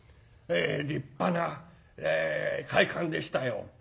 立派な会館でしたようん。